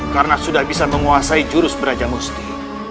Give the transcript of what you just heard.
karena sudah bisa menguasai jurus brajamusti